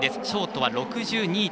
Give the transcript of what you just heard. ショートは６２．６９。